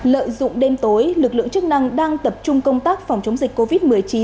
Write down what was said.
lợi dụng đêm tối lực lượng chức năng đang tập trung công tác phòng chống dịch covid một mươi chín